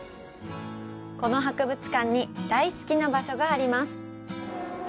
この博物館に大好きな場所があります。